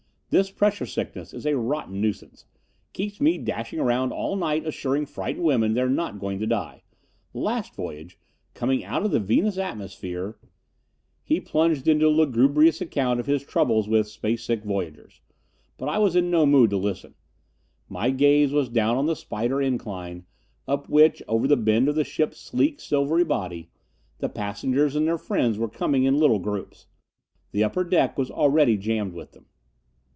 This pressure sickness is a rotten nuisance keeps me dashing around all night assuring frightened women they're not going to die. Last voyage, coming out of the Venus atmosphere " He plunged into a lugubrious account of his troubles with space sick voyagers. But I was in no mood to listen. My gaze was down on the spider incline, up which, over the bend of the ship's sleek, silvery body, the passengers and their friends were coming in little groups. The upper deck was already jammed with them.